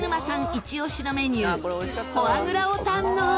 イチ押しのメニューフォアグラを堪能。